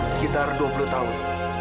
sekitar dua puluh tahun